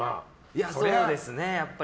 そうですね、やっぱり。